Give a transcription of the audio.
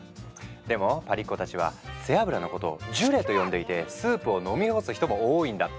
でもパリっ子たちは背脂のことを「ジュレ」と呼んでいてスープを飲み干す人も多いんだって。